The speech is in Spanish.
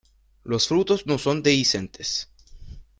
Los frutos no son dehiscentes.